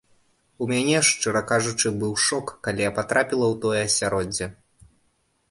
У мяне, шчыра кажучы, быў шок, калі я патрапіла ў тое асяроддзе.